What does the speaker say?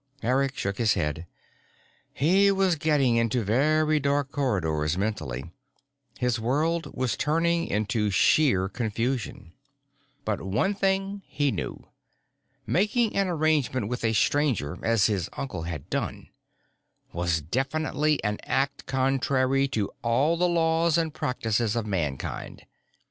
Eric shook his head. He was getting into very dark corridors mentally: his world was turning into sheer confusion. But one thing he knew. Making an arrangement with a Stranger, as his uncle had done, was definitely an act contrary to all the laws and practices of Mankind.